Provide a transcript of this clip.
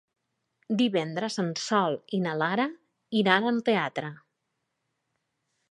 Divendres en Sol i na Lara iran al teatre.